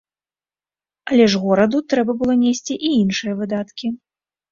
Але ж гораду трэба было несці і іншыя выдаткі.